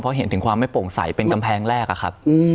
เพราะเห็นถึงความไม่โปร่งใสเป็นกำแพงแรกอะครับ